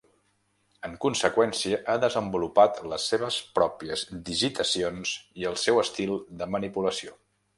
En conseqüència, ha desenvolupat les seves pròpies digitacions i el seu estil de manipulació.